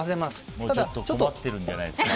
もうちょっと困ってるんじゃないですか？